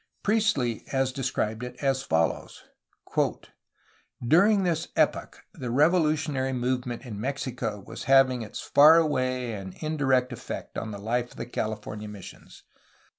Priestley has described it as follows: "During this epoch the revolutionary movement in Mexico was having its far away and indirect effect on the life of the California missions.